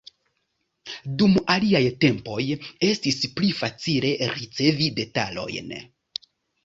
Dum aliaj tempoj estis pli facile ricevi detalojn.